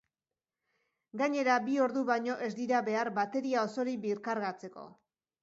Gainera, bi ordu baino ez dira behar bateria osorik birkargatzeko.